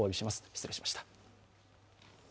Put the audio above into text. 失礼しました。